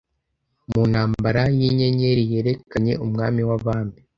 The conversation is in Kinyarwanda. Mu Ntambara Yinyenyeri yerekanye Umwami w'abami